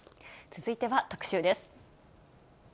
続いては特集です。